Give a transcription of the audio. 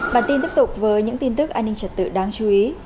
bản tin tiếp tục với những tin tức an ninh trật tự đáng chú ý